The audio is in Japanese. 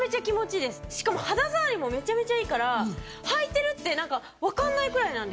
しかも肌触りもめちゃめちゃいいから履いてるって分かんないくらいなんです。